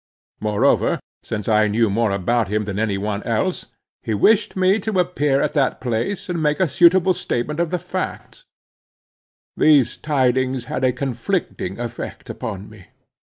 Moreover, since I knew more about him than any one else, he wished me to appear at that place, and make a suitable statement of the facts. These tidings had a conflicting effect upon me.